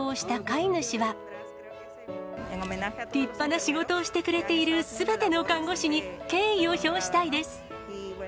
立派な仕事をしてくれているすべての看護師に敬意を表したいです。